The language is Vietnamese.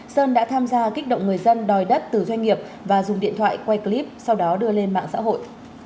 sơn đã tham gia kích động người dân đòi đất từ doanh nghiệp và dùng điện thoại quay clip sau đó đưa lên mạng xã hội